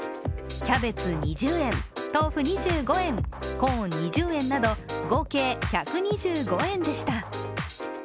キャベツ２０円、豆腐２５円、コーン２０円など合計１２５円でした。